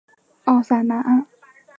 奥萨南岸。